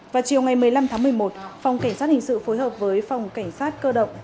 vào chiều ngày một mươi năm tháng một mươi một phòng cảnh sát hình sự phối hợp với phòng cảnh sát cơ động